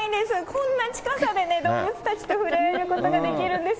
こんな近さでね、動物たちと触れ合うことができるんです。